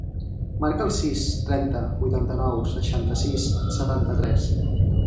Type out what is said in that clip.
Marca el sis, trenta, vuitanta-nou, seixanta-sis, setanta-tres.